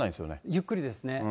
ゆっくりですね。